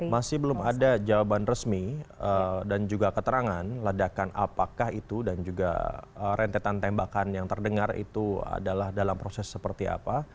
masih belum ada jawaban resmi dan juga keterangan ledakan apakah itu dan juga rentetan tembakan yang terdengar itu adalah dalam proses seperti apa